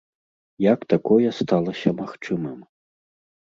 Як такое сталася магчымым?